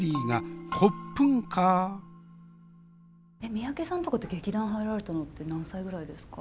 三宅さんとかって劇団入られたのって何歳ぐらいですか？